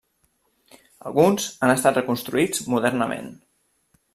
Alguns han estat reconstruïts modernament.